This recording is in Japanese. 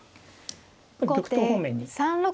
今度玉頭方面に。